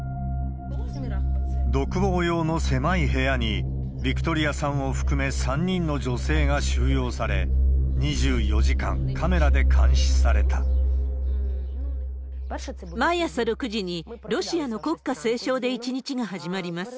独房用の狭い部屋に、ヴィクトリアさんを含め３人の女性が収容され、２４時間カメラで毎朝６時に、ロシアの国歌斉唱で一日が始まります。